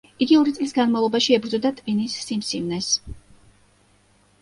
იგი ორი წლის განმავლობაში ებრძოდა ტვინის სიმსივნეს.